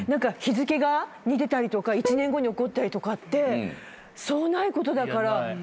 日付が似てたりとか１年後に起こったりとかってそうないことだから。